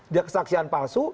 dia kesaksian palsu